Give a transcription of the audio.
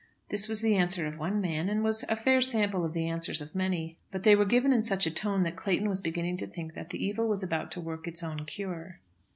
This was the answer of one man, and was a fair sample of the answers of many; but they were given in such a tone that Clayton was beginning to think that the evil was about to work its own cure.